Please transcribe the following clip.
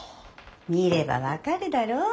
見れば分かるだろ。